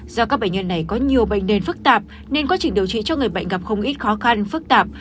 do các bệnh nhân này có nhiều bệnh nền phức tạp nên quá trình điều trị cho người bệnh gặp không ít khó khăn phức tạp